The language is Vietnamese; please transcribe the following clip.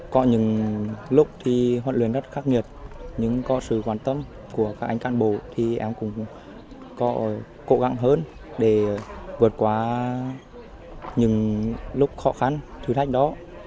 có những lúc thì huấn luyện rất khắc nghiệt nhưng có sự quan tâm của các anh cán bộ thì em cũng có cố gắng hơn để vượt qua những lúc khó khăn thử thách đó